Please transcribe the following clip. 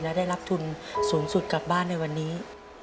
และได้รับทุนสูงสุดกลับบ้านในวันนี้